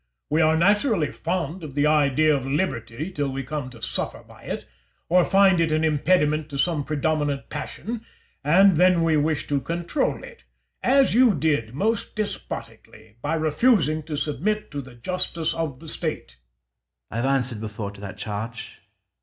We are naturally fond of the idea of liberty till we come to suffer by it, or find it an impediment to some predominant passion; and then we wish to control it, as you did most despotically, by refusing to submit to the justice of the State. Scipio. I have answered before to that charge.